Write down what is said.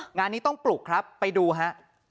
งานนี้ต้องปลุกครับไปดูฮะ